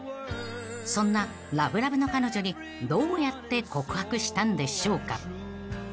［そんなラブラブの彼女にどうやって告白したんでしょうか］